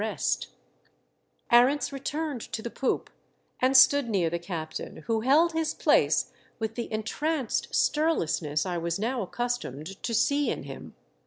20/ rest ; Arents returned to the poop and stood near the captain, who held his place with the entranced stirlessness I was now ac customed to see in him.